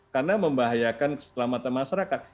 karena membahayakan keselamatan masyarakat